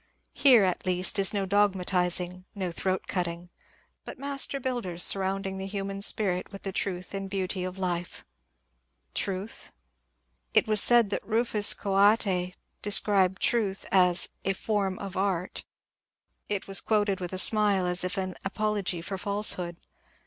Here at least is no dogmatizing, no throat cutting, but master builders surrounding the human spirit with the truth and beauty of life. Truth ? It was said that Rufus Choate described Truth as *• a form of Art." It was quoted with a smile, as if an apology for falsehood.